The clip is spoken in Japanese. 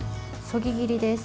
そぎ切りです。